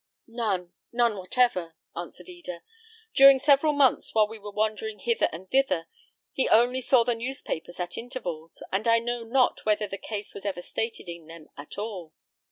"None, none whatever," answered Eda. "During several months, while we were wandering hither and thither, he only saw the newspapers at intervals, and I know not whether the case was ever stated in them at all."